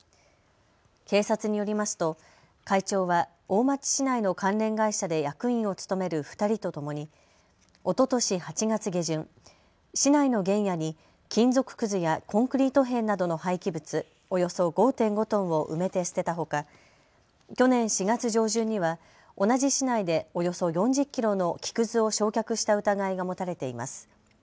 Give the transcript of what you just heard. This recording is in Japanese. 警察によりますと会長は大町市内の関連会社で役員を務める２人とともにおととし８月下旬、市内の原野に金属くずやコンクリート片などの廃棄物およそ５．５トンを埋めて捨てたほか去年４月上旬には同じ市内でおよそ４０キロの木くずを焼却した疑いが持たれています。